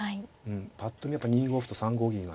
ぱっと見は２五歩と３五銀がね